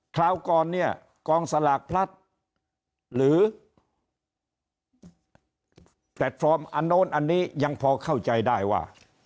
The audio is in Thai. คราวก่อนเนี่ยกองสลากพลัดหรือแพลตฟอร์มอันโน้นอันนี้ยังพอเข้าใจได้ว่า